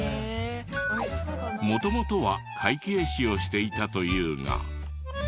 元々は会計士をしていたというが。